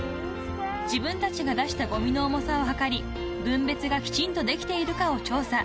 ［自分たちが出したごみの重さを量り分別がきちんとできているかを調査］